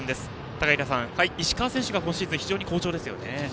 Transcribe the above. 高平さん、石川選手が今シーズン非常に好調ですよね。